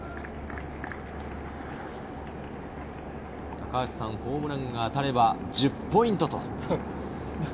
高橋さん、ホームランが当たれば１０ポイント。